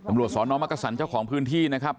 ตำรวจสอนอมักกษันเจ้าของพื้นที่นะครับ